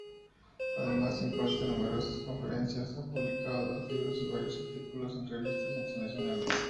Además imparte numerosas conferencias, ha publicado dos libros y varios artículos en revistas internacionales.